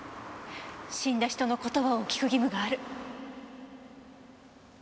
死んだ人の言葉を聞く義務がある。